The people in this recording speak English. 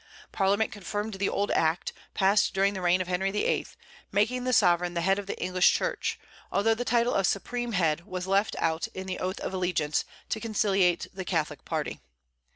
Parliament confirmed the old act, passed during the reign of Henry VIII., making the sovereign the head of the English Church, although the title of "supreme head" was left out in the oath of allegiance, to conciliate the Catholic party.